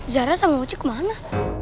sarah sama mochi kemana